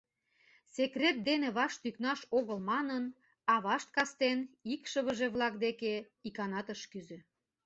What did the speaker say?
Секрет дене ваш тӱкнаш огыл манын, авашт кастен икшывыже-влак деке иканат ыш кӱзӧ.